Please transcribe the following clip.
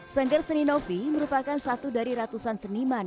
sengger seninovi merupakan satu dari ratusan seniman